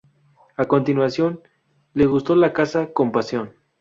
A continuación, le gustó la caza con pasión.